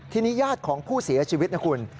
ทีนี้ญาติของผู้เสียชีวิตนะคุณ